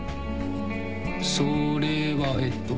それはえっと。